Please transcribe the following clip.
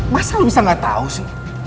masa lo bisa gak tau sih